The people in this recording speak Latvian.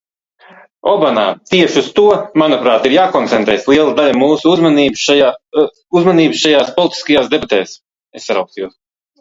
Tieši uz to, manuprāt, ir jākoncentrē liela daļa mūsu uzmanības šajās politiskajās debatēs.